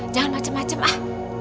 jangan macem macem ah